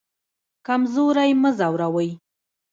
کمزوری مه ځوروئ